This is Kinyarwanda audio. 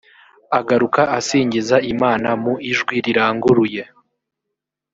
agaruka asingiza imana mu ijwi riranguruye